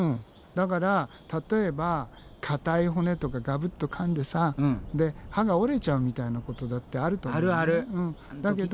だから例えば硬い骨とかガブッと噛んでさ歯が折れちゃうみたいなことだってあると思うんだけど。